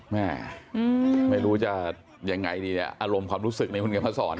แม่ไม่รู้จะยังไงดีนี่อารมณ์ความรู้สึกในคุณกำลังสอน